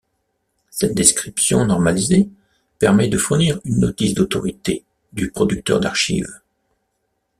Cette description normalisée permet de fournir une notice d'autorité du producteur d'archives.